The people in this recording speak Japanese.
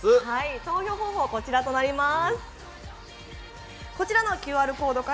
投票方法はこちらとなります。